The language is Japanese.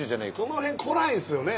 この辺来ないですよね